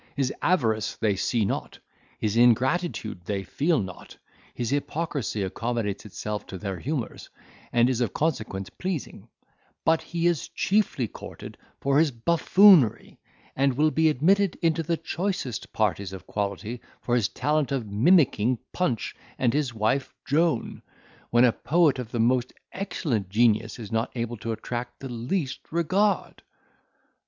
His avarice they see not, his ingratitude they feel not, his hypocrisy accommodates itself to their humours, and is of consequence pleasing; but he is chiefly courted for his buffoonery, and will be admitted into the choicest parties of quality for his talent of mimicking Punch and his wife Joan, when a poet of the most excellent genius is not able to attract the least regard."